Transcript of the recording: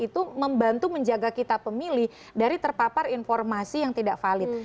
itu membantu menjaga kita pemilih dari terpapar informasi yang tidak valid